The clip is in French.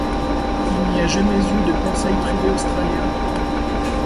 Il n'y a jamais eu de Conseil privé australien.